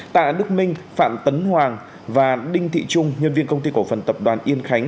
tạ đức minh phạm tấn hoàng và đinh thị trung nhân viên công ty cổ phần tập đoàn yên khánh